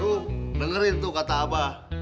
tuh dengerin tuh kata abah